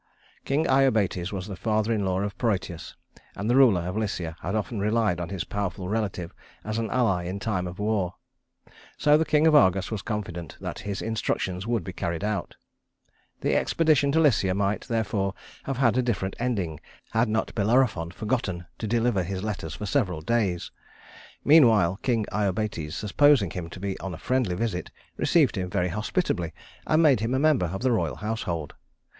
King Iobates was the father in law of Prœtus; and the ruler of Lycia had often relied on his powerful relative as an ally in time of war; so the king of Argos was confident that his instructions would be carried out. The expedition to Lycia might, therefore, have had a different ending had not Bellerophon forgotten to deliver his letters for several days. Meanwhile King Iobates, supposing him to be on a friendly visit, received him very hospitably and made him a member of the royal household.